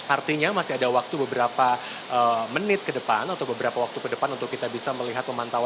artinya masih ada waktu beberapa menit ke depan atau beberapa waktu ke depan untuk kita bisa melihat pemantauan